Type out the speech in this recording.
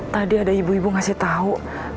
tadi ada ibu ibu ngasih tahu